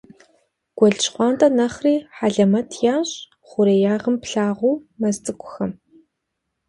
Гуэл ЩхъуантӀэр нэхъри хьэлэмэт ящӀ хъуреягъым плъагъу мэз цӀыкӀухэм.